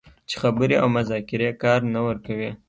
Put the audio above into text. چې خبرې او مذاکرې کار نه ورکوي